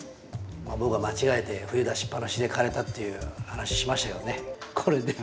まあ僕は間違えて冬出しっぱなしで枯れたっていう話しましたけどねこれで。